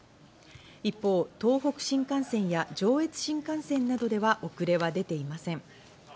一方、東北新幹線や上越新幹線などでは遅れは出ていません。